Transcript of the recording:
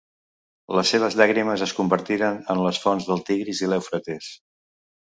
Les seves llàgrimes es convertiren en les fonts del Tigris i l'Eufrates.